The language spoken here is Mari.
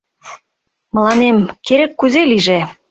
— Мыланем керек кузе лийже.